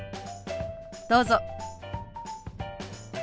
どうぞ。